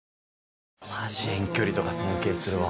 まじ遠距離とか尊敬するわ。